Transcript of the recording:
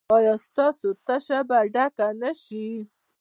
ایا ستاسو تشه به ډکه نه شي؟